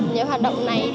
những hoạt động này